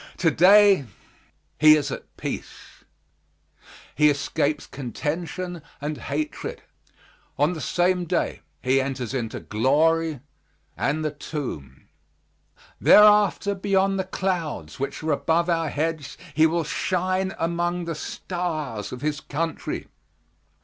To day he is at peace. He escapes contention and hatred. On the same day he enters into glory and the tomb. Thereafter beyond the clouds, which are above our heads, he will shine among the stars of his country.